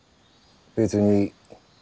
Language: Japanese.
別に。